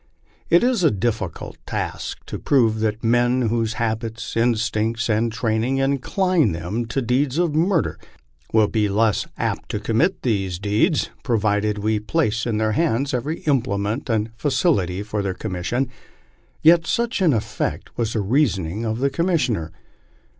It is a difficult task to prove that men whose habits, instincts, and training incline them to deeds of murder, will be less apt to commit those deeds, provided we place in their hands every implement and facility for their commission ; yet such in effect was the reasoning of the Com missioner.